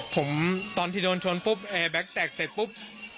ผมตอนที่โดนชนปุ๊บแบ็คแตกเสร็จปุ๊บ